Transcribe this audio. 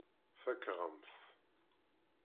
Fakeɣ-am-t.